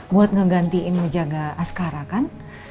buat ngegantiinmu jaga askara kan